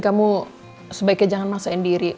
kamu sebaiknya jangan masain diri